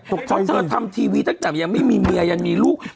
เพราะเธอทำทีวีตั้งแต่ยังไม่มีเมียยังมีลูก